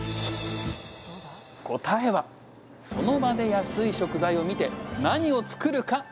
答えは「その場で安い食材を見て何を作るか決める」でした。